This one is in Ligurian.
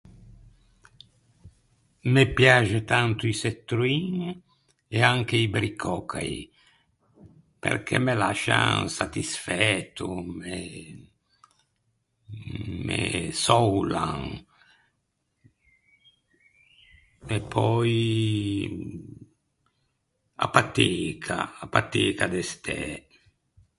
Me piaxe tanto i çetroin, e anche i bricòcai perché me lascian satisfæto, me me soulan. E pöi, a pateca, a pateca de stæ.